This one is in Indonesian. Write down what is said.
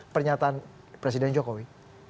pernyataan presiden jokowi